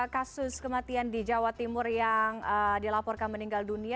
kasus kematian di jawa timur yang dilaporkan meninggal dunia